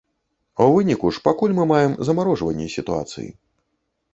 У выніку ж пакуль мы маем замарожванне сітуацыі.